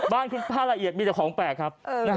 บ้านคุณป้าละเอียดมีแต่ของแปลกครับ